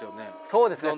そうですね。